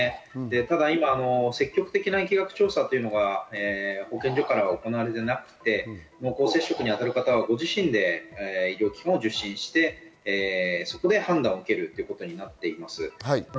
ただ積極的な疫学調査というのは保健所が行われていなくて、濃厚接触にあたる方はご自身で医療機関を受診して、そこで判断を受けるということになっています。